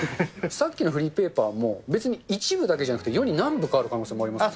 さっきのフリーペーパーも別に１部だけじゃなくて、世に何部かある可能性がありますよね。